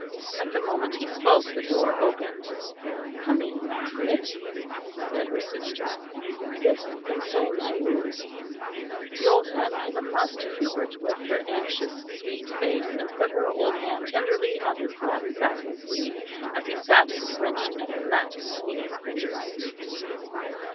At the moment he spoke the door opened. "Come in, Margaret," said her sister, "this concerns you." The old nun came across to Hubert with her anxious sweet face; and put her old hand tenderly on his black satin sleeve as he sat and wrenched at a nut between his fingers.